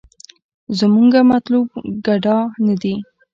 زمونګه مطلوب ګډا نه دې.